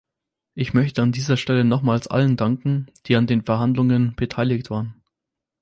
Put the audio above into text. Ich möchte an dieser Stelle nochmals allen danken, die an den Verhandlungen beteiligt waren.